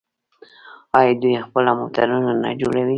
آیا دوی خپل موټرونه نه جوړوي؟